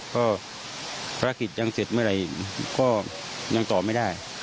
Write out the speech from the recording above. ก็ภารกิจยังเสร็จเมื่อไหร่ก็ยังตอบไม่ได้